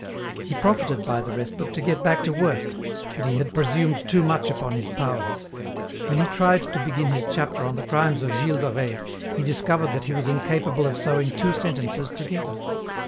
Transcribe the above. He profited by the respite to get back to work, but he had presumed too much upon his powers. When he tried to begin his chapter on the crimes of Gilles de Rais he discovered that he was incapable of sewing two sentences together.